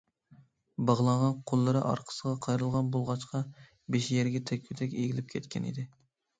باغلانغان قوللىرى ئارقىسىغا قايرىلغان بولغاچقا بېشى يەرگە تەگكۈدەك ئېگىلىپ كەتكەنىدى.